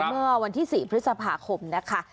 เมื่อวันที่๔พฤษภาคมนะคะ